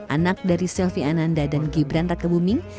anak dari selvi ananda dan gibran rakebuming